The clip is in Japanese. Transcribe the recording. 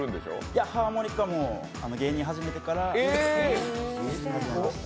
いや、ハーモニカも芸人始めてから、始めました。